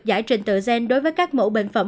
giải trình tự gen đối với các mẫu bệnh phẩm